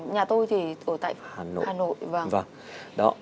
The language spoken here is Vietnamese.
nhà tôi thì ở tại hà nội